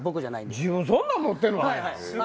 自分そんなん持ってんかいな。